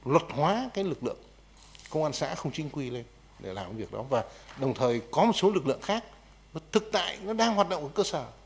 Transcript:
luật hóa cái lực lượng công an xã không chính quy lên để làm việc đó và đồng thời có một số lực lượng khác thực tại nó đang hoạt động ở cơ sở